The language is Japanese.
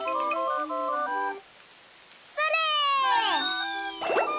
それ！